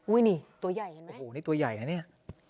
นี่ตัวใหญ่เห็นไหมโอ้โหนี่ตัวใหญ่นะเนี่ย